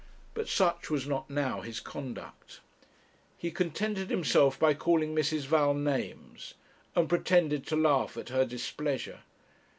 But such was not now his conduct. He contented himself by calling Mrs. Val names, and pretended to laugh at her displeasure.